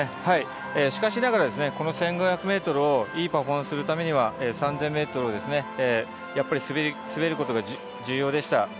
しかしながら、この１５００ｍを良いパフォーマンスするためには３０００ｍ、やっぱり滑ることが重要でした。